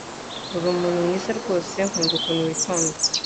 Urumuntu mwiza rwose nkunda ukuntu witonda